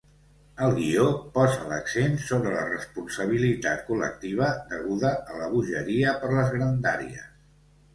El guió posa l'accent sobre la responsabilitat col·lectiva deguda a la bogeria per les grandàries.